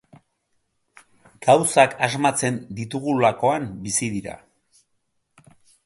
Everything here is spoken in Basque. Gauzak asmatzen ditugulakoan bizi dira.